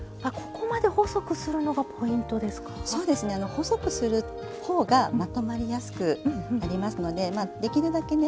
細くする方がまとまりやすくなりますのでできるだけね